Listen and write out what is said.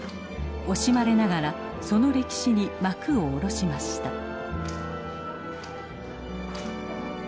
惜しまれながらその歴史に幕を下ろしました。